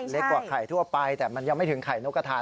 เล็กกว่าไข่ทั่วไปแต่มันยังไม่ถึงไข่นกกระทาน